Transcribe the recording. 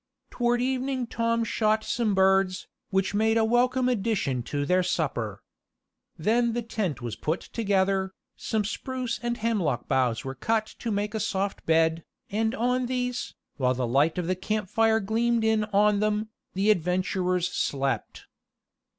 Toward evening Tom shot some birds, which made a welcome addition to their supper. Then the tent was put together, some spruce and hemlock boughs were cut to make a soft bed, and on these, while the light of a campfire gleamed in on them, the adventurers slept.